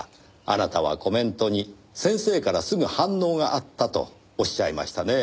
あなたはコメントに先生からすぐ反応があったとおっしゃいましたね。